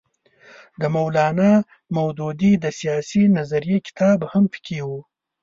د مولانا مودودي د سیاسي نظریې کتاب هم پکې وو.